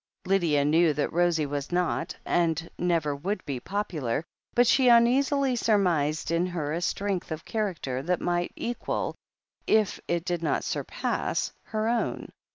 Lydia knew that Rosie was not, and never would be, popular, but she uneasily surmised in her a strength of character that might equal, if it did not surpass, her own.